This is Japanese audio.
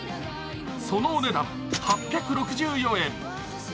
そのお値段、８６４円。